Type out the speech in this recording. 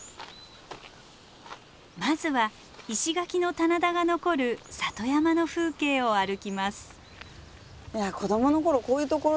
まずは石垣の棚田が残る里山の風景を歩きます。